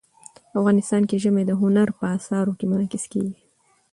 افغانستان کې ژمی د هنر په اثار کې منعکس کېږي.